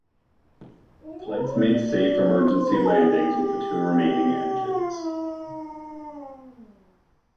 The flights made safe emergency landings with the two remaining engines.